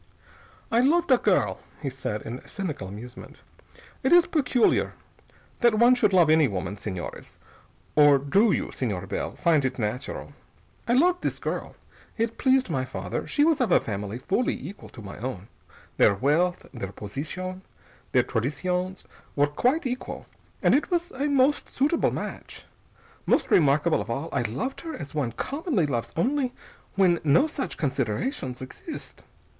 "I loved a girl," he said in a cynical amusement. "It is peculiar that one should love any woman, señores or do you, Señor Bell, find it natural? I loved this girl. It pleased my father. She was of a family fully equal to my own: their wealth, their position, their traditions were quite equal, and it was a most suitable match. Most remarkable of all, I loved her as one commonly loves only when no such considerations exist.